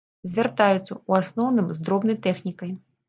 Звяртаюцца, у асноўным, з дробнай тэхнікай.